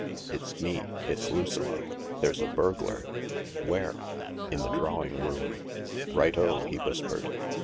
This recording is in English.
"It's me. It's Lucilla. There's a burglar." "Where?" " In the drawing room." . "Righto," he whispered.